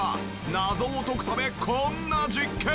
謎を解くためこんな実験！